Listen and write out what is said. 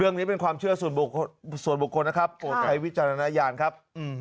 เรื่องนี้เป็นความเชื่อส่วนบุคคลส่วนบุคคลนะครับโอ้ใช้วิจารณญาณครับ